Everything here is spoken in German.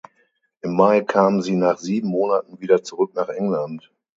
Im Mai kamen sie nach sieben Monaten wieder zurück nach England.